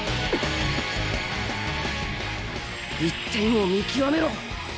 一点を見極めろ！